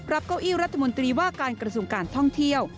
เก้าอี้รัฐมนตรีว่าการกระทรวงการท่องเที่ยว